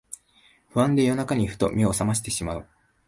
不安で夜中にふと目をさましてしまう